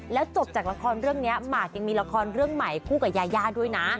แล้วจบจากละครเรื่องนี้หมากยังมีละครเรื่องใหม่คู่กับยายาด้วยนะ